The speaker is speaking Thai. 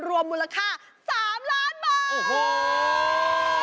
รวมมูลค่า๓ล้านบาท